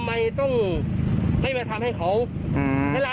ไปหรอกแต่ว่าเอาชายละ